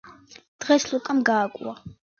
დღეს ლუკამ გააკუა